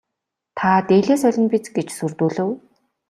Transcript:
Та дээлээ солино биз гэж сүрдүүлэв.